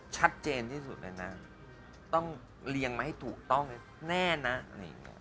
ชัดเจนที่สุดเลยนะต้องเรียงมาให้ถูกต้องแน่นนะ